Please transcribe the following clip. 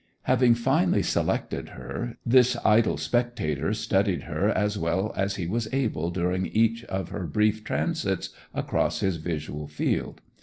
Having finally selected her, this idle spectator studied her as well as he was able during each of her brief transits across his visual field.